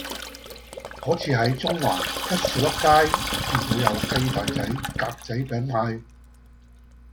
嗰次喺中環吉士笠街見到有雞蛋仔格仔餅賣